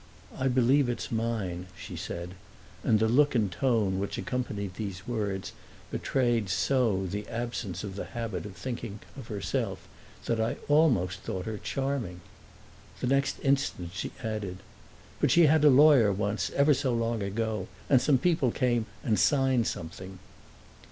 "I believe it's mine," she said; and the look and tone which accompanied these words betrayed so the absence of the habit of thinking of herself that I almost thought her charming. The next instant she added, "But she had a lawyer once, ever so long ago. And some people came and signed something."